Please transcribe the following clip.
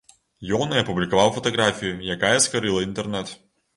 Ён і апублікаваў фатаграфію, якая скарыла інтэрнэт.